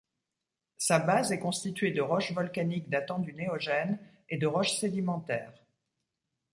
Sa base est constituée de roches volcaniques datant du Néogène et de roches sédimentaires.